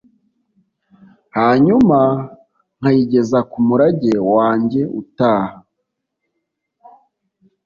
hanyuma nkayigeza kumurage wanjye utaha